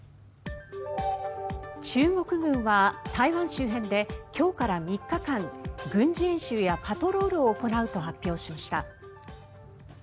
中国軍は台湾周辺で今日から３日間軍事演習やパトロールを行うと発表しました。